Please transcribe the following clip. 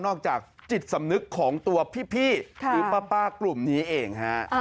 จากจิตสำนึกของตัวพี่หรือป้ากลุ่มนี้เองฮะ